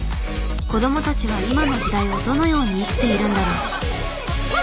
子どもたちは今の時代をどのように生きているんだろう。